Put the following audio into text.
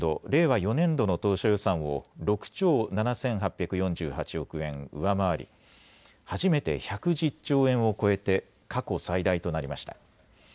４年度の当初予算を６兆７８４８億円上回り初めて１１０兆円を超えて過去最大となりました。